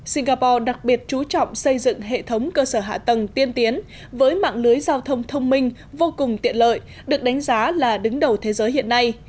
singapore đặc biệt chú trọng xây dựng hệ thống cơ sở hạ tầng tiên tiến với mạng lưới giao thông thông minh vô cùng tiện lợi được đánh giá là đứng đầu thế giới hiện nay